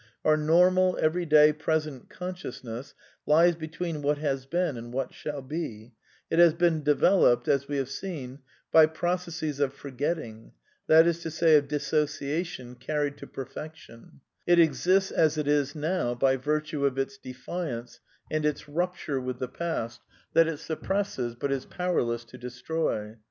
Uur normal, everyday, present consciousness lies between what has been and what shall be ; it has been developed, as ^ 260 A DEFENCE OF IDEALISM we have seen, by processes of forgetting, that is to say of Ydissoeiation, carried to perfection ; it exists as it is now by virtue of its defiance and its rupture with the past that it \ suppresses but is powerless to destroy.